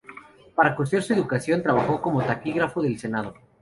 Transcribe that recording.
Para costear sus educación trabajó como taquígrafo del Senado.